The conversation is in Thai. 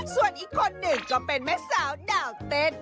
ส่วนอีกคนหนึ่งก็เป็นแม่สาวดาวเต้น